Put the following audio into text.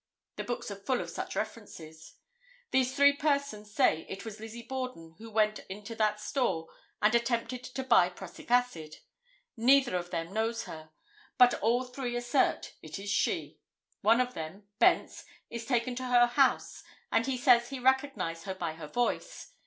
The books are full of such references. These three persons say it was Lizzie Borden who went into that store and attempted to buy prussic acid. Neither of them knows her, but all three assert it is she. One of them, Bence, is taken to her house and he says he recognized her by her voice.